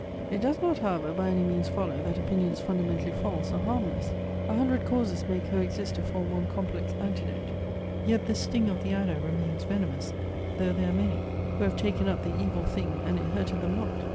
It does not, however, by any means follow that opinions fundamentally false are harmless. A hundred causes may co exist to form one complex antidote. Yet the sting of the adder remains venomous, though there are many who have taken up the evil thing, and it hurted them not.